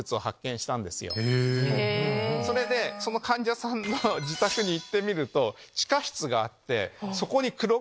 それでその患者さんの自宅に行ってみると。